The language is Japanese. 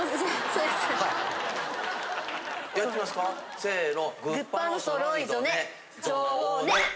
せの。